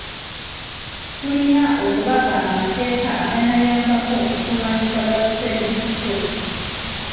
Tulina okubaga amateeka aganaayambako okulwanyisa ga ssedduvvuto.